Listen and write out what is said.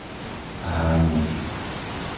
Hájniky